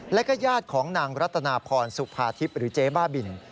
และก็ญาติของนางรัตนาพรสุภาทิพย์หรือเจ๊บ้าบิน